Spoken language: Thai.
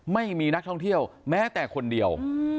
ไม่มีนักท่องเที่ยวแม้แต่คนเดียว